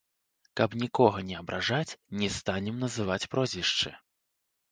Каб нікога не абражаць, не станем называць прозвішчы.